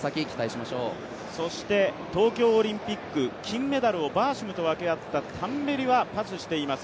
東京オリンピック、金メダルをバーシムと分け合ったタンベリはパスしています。